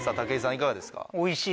いかがですか？